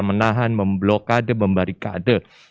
menahan memblokade membarikade